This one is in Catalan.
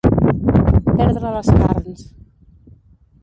Perdre les carns.